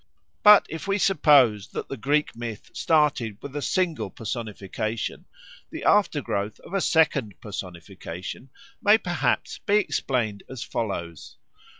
But if we suppose that the Greek myth started with a single personification, the aftergrowth of a second personification may perhaps be explained as follows.